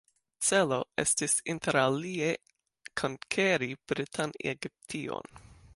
Celo estis interalie konkeri britan Egiption.